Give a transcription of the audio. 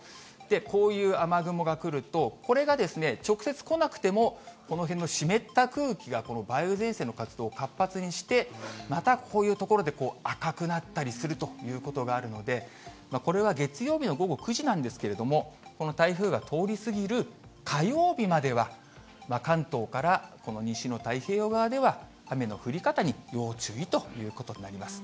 こういう雨雲が来ると、これが直接来なくても、この辺の湿った空気が梅雨前線の活動を活発にして、またこういう所で赤くなったりするということがあるので、これが月曜日の午後９時なんですけれども、この台風が通り過ぎる火曜日までは関東からこの西の太平洋側では、雨の降り方に要注意ということになります。